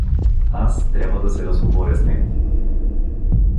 Аз трябва да се разговоря с него.